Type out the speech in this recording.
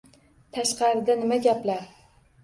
Tashqarida nima gaplar